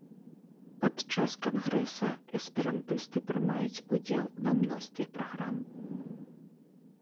Падчас кангрэса эсперантысты прымаюць удзел ва мностве праграм.